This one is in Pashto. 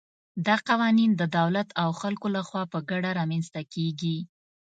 دا قوانین د دولت او خلکو له خوا په ګډه رامنځته کېږي.